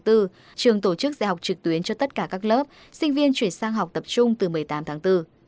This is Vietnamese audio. trường tổ chức dạy học trực tuyến cho tất cả các lớp sinh viên chuyển sang học tập trung từ một mươi tám tháng bốn